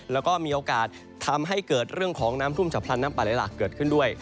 แล้วก็มีโอกาสทำให้เกิดเรื่องของน้ำทุ่มฉับพลันน้ำป่าไหลหลากเกิดขึ้นด้วย